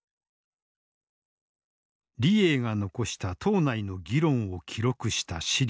李鋭が残した党内の議論を記録した史料。